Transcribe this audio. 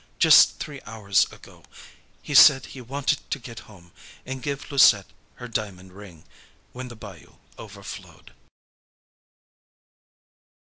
Just three hours ago. He said he wanted to get home and give Louisette her diamond ring, when the bayou overflowed."